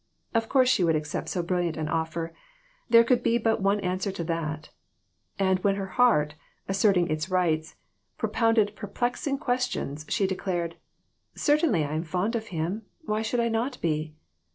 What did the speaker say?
"Of course, she would accept so brilliant an offer; there could be but one answer to that," and when her heart, asserting its rights, propounded perplexing questions, she declared " Certainly . I am fond of him; why should I not be?"